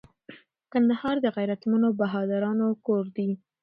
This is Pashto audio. کندهار د غیرتمنو بهادرانو کور دي